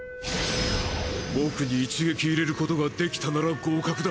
僕に一撃入れることができたなら合格だ！